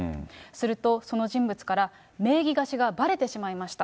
すると、その人物から、名義貸しがばれてしまいました。